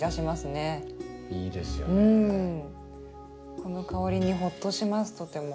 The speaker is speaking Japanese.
この香りにホッとしますとても。